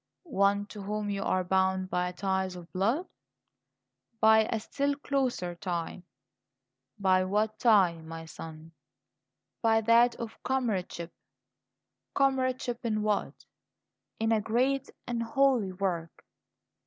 "One to whom you are bound by ties of blood?" "By a still closer tie." "By what tie, my son?" "By that of comradeship." "Comradeship in what?" "In a great and holy work."